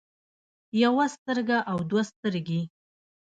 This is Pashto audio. يوه سترګه او دوه سترګې